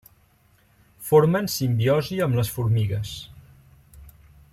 Formen simbiosi amb les formigues.